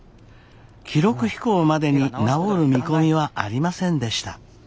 記録飛行までに治る見込みはありませんでした。